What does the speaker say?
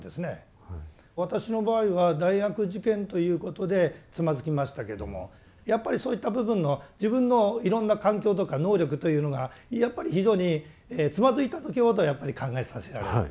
私の場合は大学受験ということでつまずきましたけどもやっぱりそういった部分の自分のいろんな環境とか能力というのがやっぱり非常につまずいた時ほどやっぱり考えさせられる。